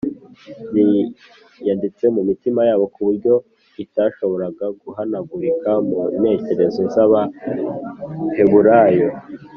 byiyanditse mu mitima yabo ku buryo itashoboraga guhanagurika mu ntekerezo z’abaheburayo.